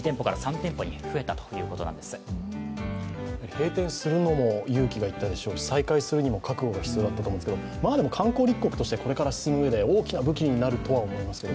閉店するのも勇気がいったでしょうし再開するにも覚悟が必要だったと思うんですけど、でも観光立国としてこれから進むうえで、大きな武器になると思いますけど。